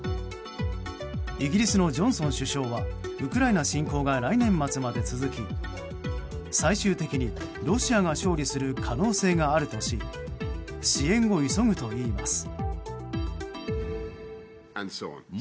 イギリスのジョンソン首相はウクライナ侵攻が来年末まで続き最終的にロシアが勝利する可能性があるとし支援を急ぐといいます。